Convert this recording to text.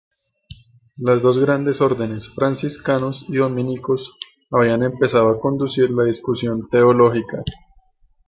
Las dos grandes órdenes, franciscanos y dominicos, habían empezado a conducir la discusión teológica.